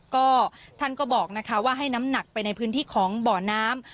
ก็ท่านก็บอกนะคะว่าให้น้ำหนักไปในพื้นที่ของบ่อน้ำ